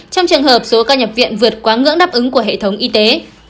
trong trường hợp số ca nhập viện vượt quá ngưỡng đáp ứng của hệ thống y tế